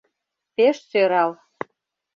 Пеш сӧрал...